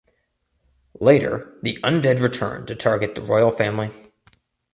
Later the undead return to target the royal family.